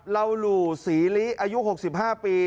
ลาลุศรีลิอายุ๖๕ปี